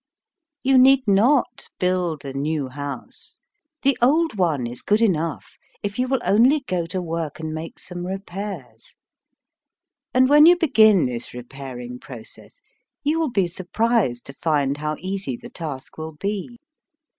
You need not build a new house. The old one is good enough if you will only go to work and make some repairs; and when you begin this repairing process you will be surprised to find how easy the task will be.